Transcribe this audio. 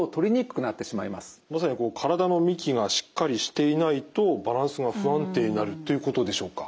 まさにこう体の幹がしっかりしていないとバランスが不安定になるということでしょうか？